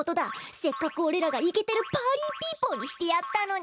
せっかくおれらがイケてるパーリーピーポーにしてやったのに。